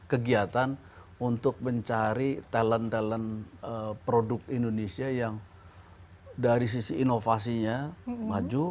kegiatan untuk mencari talent talent produk indonesia yang dari sisi inovasinya maju